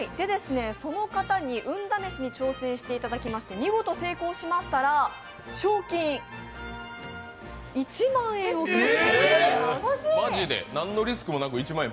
その方に運試しに挑戦していただきまして、見事成功しましたら、賞金１万円をプレゼントします。